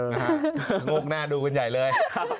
งกหน้าดูกันใหญ่เลย